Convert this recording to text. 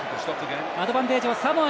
アドバンテージをサモア。